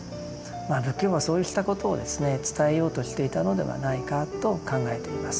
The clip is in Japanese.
仏教はそうしたことを伝えようとしていたのではないかと考えています。